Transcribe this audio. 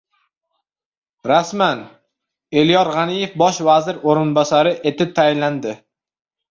Rasman. Elyor G‘aniyev Bosh vazir o‘rinbosari etib tayinlandi